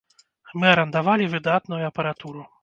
Мы арандавалі выдатную апаратуру.